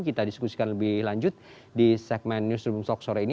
kita diskusikan lebih lanjut di segmen newsroom talk sore ini